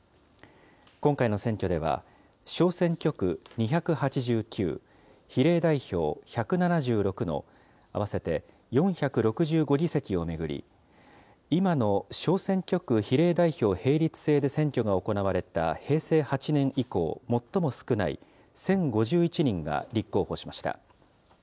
今回の選挙では、小選挙区２８９、比例代表１７６の合わせて４６５議席を巡り、今の小選挙区比例代表並立制で選挙が行われた平成８年以降、最も少ない１０５１人が立候補しました。